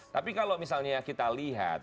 tapi kalau misalnya kita lihat